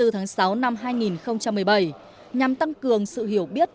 hai mươi tháng sáu năm hai nghìn một mươi bảy nhằm tăng cường sự hiểu biết